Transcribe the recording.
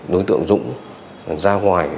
đối tượng dũng ra ngoài